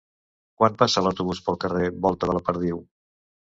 Quan passa l'autobús pel carrer Volta de la Perdiu?